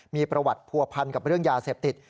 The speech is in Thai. มีประวัติผัวพันกับเรื่องยาเสพติด